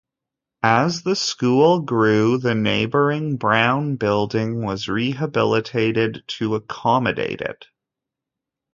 As the school grew the neighboring Brown Building was rehabilitated to accommodate it.